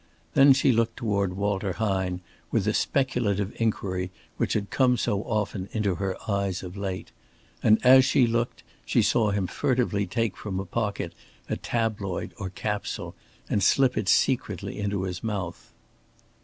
Then she looked toward Walter Hine with the speculative inquiry which had come so often into her eyes of late. And as she looked, she saw him furtively take from a pocket a tabloid or capsule and slip it secretly into his mouth.